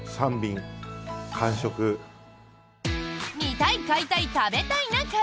「見たい買いたい食べたいな会」。